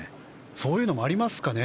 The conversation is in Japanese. そういうのもありますかね。